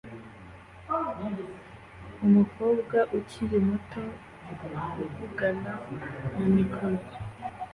Umukobwa ukiri muto uvugana na mikoro